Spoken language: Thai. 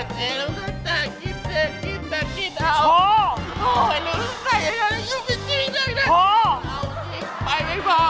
โปรดติดตามตอนต่อไป